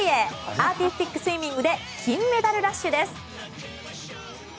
アーティスティックスイミングで金メダルラッシュです。